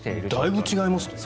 だいぶ違いますね。